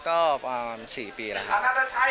ก็๔ปีแล้วครับ